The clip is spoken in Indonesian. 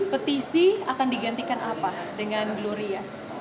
petisi akan digantikan apa dengan gloria